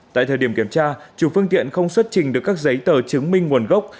tại thời điểm kiểm tra chủ phương tiện không xuất trình được các giấy tờ chứng minh nguồn gốc